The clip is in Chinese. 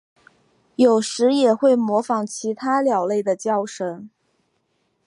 有时也会模仿其他鸟类的叫声。